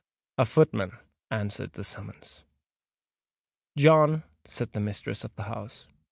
A footman answered the summons. "John!" said the mistress of the house.